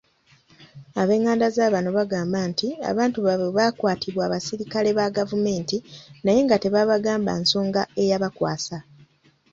Ab'enganda za bano bagamba nti abantu baabwe baakwatibwa abasirikale ba gavumenti naye nga tebaabagamba nsonga eyabakwasa.